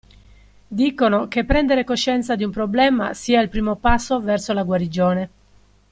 Dicono che prendere coscienza di un problema sia il primo passo verso la guarigione.